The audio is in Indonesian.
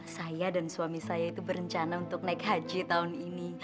saya dan suami saya itu berencana untuk naik haji tahun ini